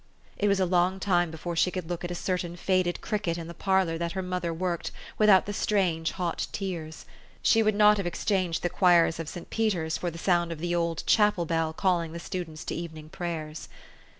It was a long time before she could look at a certain faded cricket in the parlor that her mother worked, without the strange, hot tears. She would not have exchanged the choirs of St. Peter's for the sound of the old chapel bell calling the students to evening prayers.